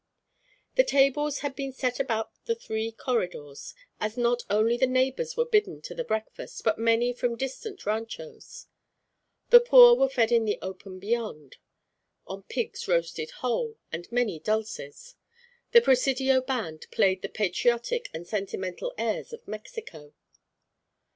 The tables had been set about the three corridors, as not only the neighbours were bidden to the breakfast, but many from distant ranchos. The poor were fed in the open beyond, on pigs roasted whole, and many dulces. The Presidio band played the patriotic and sentimental airs of Mexico.